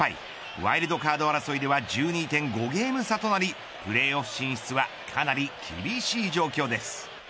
ワイルドカード争いでは１２．５ゲーム差となりプレーオフ進出は、かなり厳しい状況です。